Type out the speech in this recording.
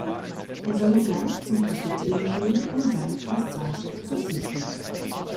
Er solle gleich zum Kapitän gehen, um seine Passage zu sichern.